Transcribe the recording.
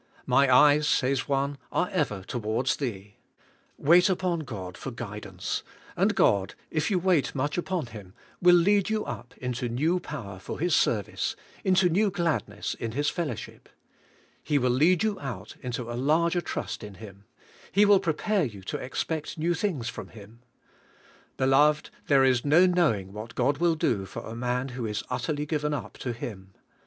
"My eyes," says one, "are ever towards Tliec." Wait upon God for guidance, and God, if you wait much upon Him, will lead you up into new power for His service, into new gladness in His fellow ship. He will lead you out into a larger trust in Him; He will prepare you to expect new tilings from Him. Beloved, there is no knowing what God will do for a man who is utterly given up to Him.